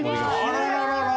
あらららら！